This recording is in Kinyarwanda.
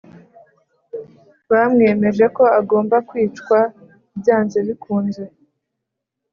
bamwemeje ko agomba kwicwa byanze bikunze